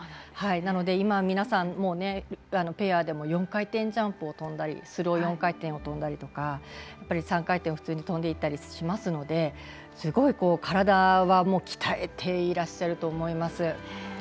なので今、皆さんペアでも４回転ジャンプを跳んだりスロー４回転を跳んだりとか３回転を普通に跳んでいたりしますのですごい体は鍛えていらっしゃると思います。